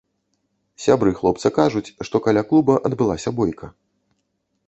Сябры хлопца кажуць, што каля клуба адбылася бойка.